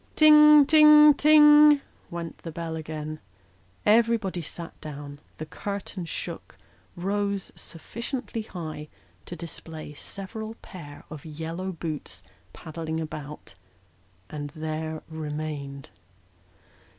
Ting, ting, ting ! went the bell again. Everybody sat down ; the curtain shook ; rose sufficiently high to display several pair of yellow boots paddling about ; and there remained.